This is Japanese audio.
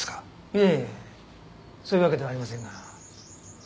いえそういうわけではありませんが。